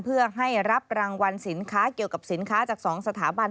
เพื่อให้รับรางวัลสินค้าเกี่ยวกับสินค้าจาก๒สถาบัน